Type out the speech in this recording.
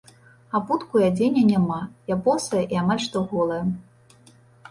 Абутку і адзення няма, я босая і амаль што голая.